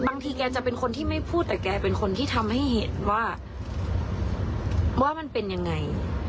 บางทีแกจะเป็นคนที่ไม่พูดแต่แกเป็นคนที่ทำให้เห็นว่าว่ามันเป็นยังไง